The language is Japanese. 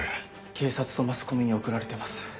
警察とマスコミに送られてます。